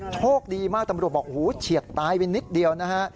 โชคดีมากตำรวจบอกหูเฉียดตายไปนิดเดียวนะฮะ